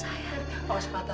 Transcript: lagi doang k marine berjalan jalan